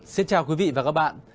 xin chào quý vị và các bạn